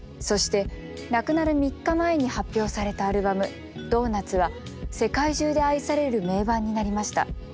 そして亡くなる３日前に発表されたアルバム「ＤＯＮＵＴＳ」は世界中で愛される名盤になりました。